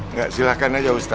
nggak silahkan aja ustaz